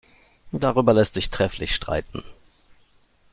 Darüber lässt sich trefflich streiten.